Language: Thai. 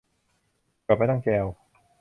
จอดไม่ต้องแจว